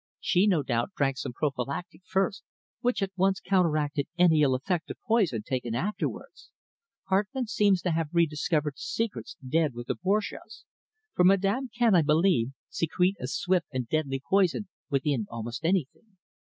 She no doubt drank some prophylactic first, which at once counteracted any ill effect of poison taken afterwards. Hartmann seems to have re discovered the secrets dead with the Borgias, for Madame can, I believe, secrete a swift and deadly poison within almost anything."